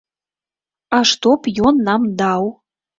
А што б ён нам даў?